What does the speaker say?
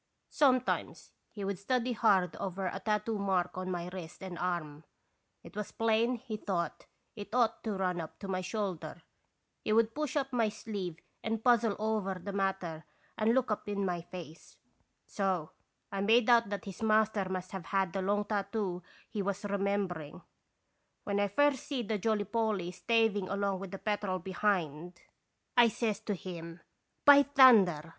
Sometimes he would study hard over a tattoo mark on my wrist and arm ; it was plain he thought it ought to run up to my shoulder ; he would push up my sleeve and puzzle over the matter and look up in my face. So I made out that his master must have had the long tattoo he was remem bering. When 1 first see the Jolly Polly stav ing along with the Petrel behind, I says to i86 & Gracious bisitation. him :* By thunder